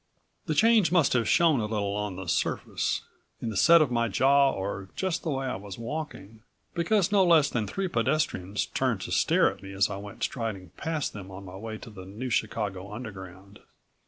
The change must have shown a little on the surface, in the set of my jaw or just the way I was walking, because no less than three pedestrians turned to stare at me as I went striding past them on my way to the New Chicago Underground.